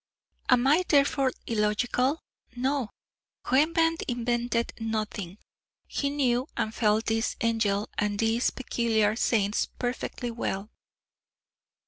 Am I therefore illogical? No! Rembrandt invented nothing; he knew and felt this angel and these peculiar saints perfectly well.